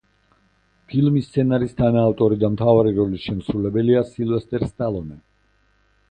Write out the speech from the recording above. ფილმის სცენარის თანაავტორი და მთავარი როლის შემსრულებელია სილვესტერ სტალონე.